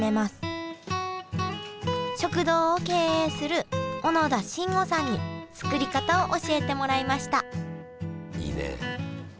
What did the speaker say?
食堂を経営する小野田真悟さんに作り方を教えてもらいましたいいね。